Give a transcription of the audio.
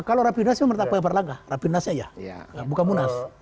kalau rapindas itu menurut pak erlangga rapindasnya ya bukan munas